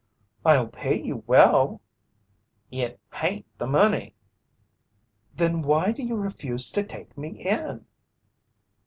"I'll pay you well." "It hain't the money." "Then why do you refuse to take me in?"